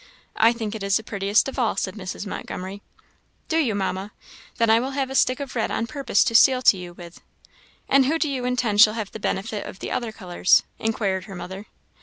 "I think it is the prettiest of all," said Mrs. Montgomery. "Do you, Mamma? then I will have a stick of red on purpose to seal to you with." "And who do you intend shall have the benefit of the other colours?" inquired her mother.